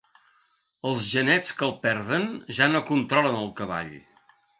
Els genets que el perden ja no controlen el cavall.